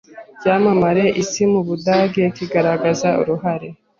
icyamamare mu isi mu Budage kigaragaza uruhare